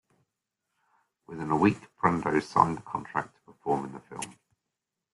Within a week, Brando signed a contract to perform in the film.